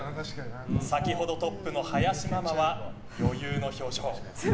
先ほどトップの林ママは余裕の表情。